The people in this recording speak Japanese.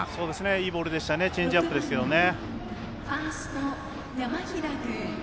いいボールでしたねチェンジアップですね。